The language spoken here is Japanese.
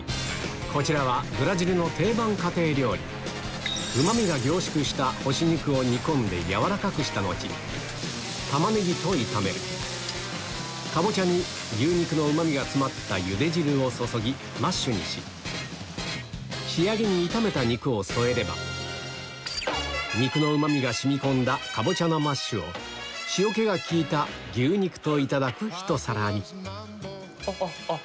こちらはブラジルの定番家庭料理うまみが凝縮した干し肉を煮込んで軟らかくした後タマネギと炒めるカボチャに牛肉のうまみが詰まったゆで汁を注ぎマッシュにし仕上げに炒めた肉を添えれば肉のうまみが染み込んだカボチャのマッシュを塩気が利いた牛肉といただくひと皿にあっ